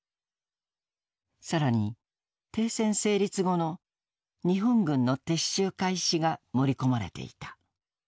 更に「停戦成立後の日本軍の撤収開始」が盛り込まれていた。